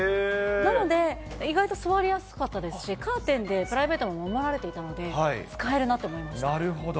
なので、意外と座りやすかったですし、カーテンでプライベートも守られていたので、使えるなと思なるほど。